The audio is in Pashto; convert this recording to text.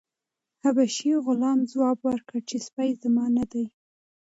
حبشي غلام ځواب ورکړ چې سپی زما نه دی.